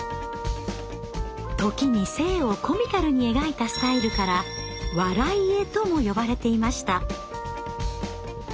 時に性をコミカルに描いたスタイルから「笑い絵」とも呼ばれていました。